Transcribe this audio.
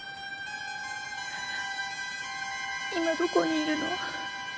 今どこにいるの？